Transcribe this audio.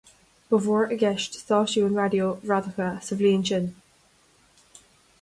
Ba mhór i gceist stáisiúin raidió bhradacha sa bhliain sin.